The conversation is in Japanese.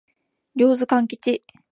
両津勘吉